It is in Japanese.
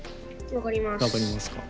分かりますか。